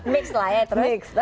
mix lah ya terus